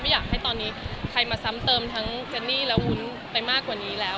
อยากให้ตอนนี้ใครมาซ้ำเติมทั้งเจนนี่และวุ้นไปมากกว่านี้แล้ว